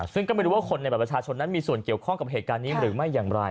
ซึ่งก็ไม่รู้ว่าคนในบัตรประชาชนนั้นมีส่วนเกี่ยวข้องกับเหตุการณ์นี้หรือไม่อย่างไร